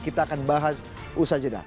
kita akan bahas usaha jeda